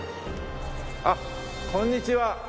あっこんにちは。